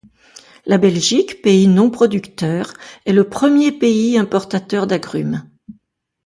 La Belgique, pays non producteur, est le premier pays importateur d'agrumes.